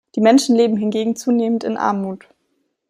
Die Menschen leben hingegen zunehmend in Armut.